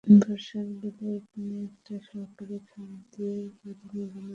বর্ষায় বিলের পানি একটি সরকারি খাল দিয়ে বারনই নদে নেমে যায়।